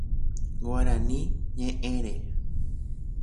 Guaraní ñeʼẽre.